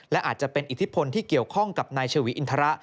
และอาจจะเป็นอิทธิพลที่เกี่ยวข้องกับนายชวีอินทระ